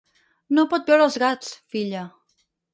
No pot veure els gats, filla.